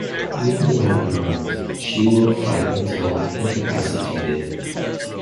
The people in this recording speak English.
Even when unarmed, she will fight until incapacitated.